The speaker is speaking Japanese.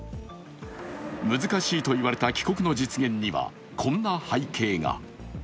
難しいといわれた帰国の実現には、こんな背景が。